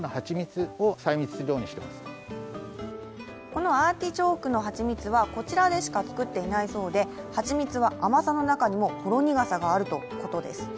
このアーティチョークの蜂蜜はこちらでしか作っていないそうで蜂蜜は甘さの中にもほろ苦さがあるということです。